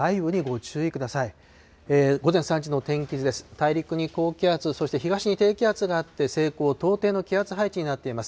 大陸に高気圧、そして東に低気圧があって、西高東低の気圧配置になっています。